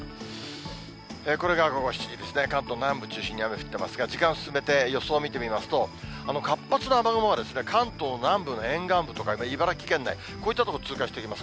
これが午後７時ですね、関東南部中心に雨降ってますが、時間進めて予想見てみますと、活発な雨雲が関東南部の沿岸部とか、茨城県内、こういった所を通過していきます。